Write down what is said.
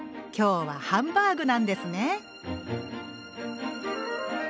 今日はハンバーグなんですね！